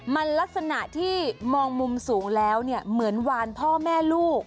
มันลักษณะที่มองมุมสูงแล้วเนี่ยเหมือนวานพ่อแม่ลูก